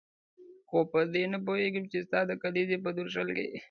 خو په دې نه پوهېږم چې ستا د کلیزې په درشل کې.